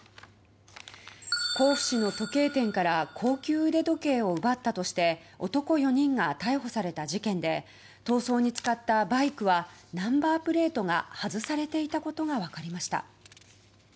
甲府市の時計店から高級腕時計を奪ったとして男４人が逮捕された事件で逃走に使ったバイクはナンバープレートが外されていたことが分かりました。